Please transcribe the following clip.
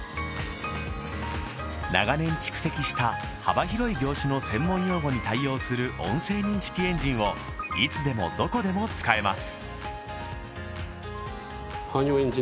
長年蓄積した幅広い業種の専門用語に対応する音声認識エンジンをいつでもどこでも使えます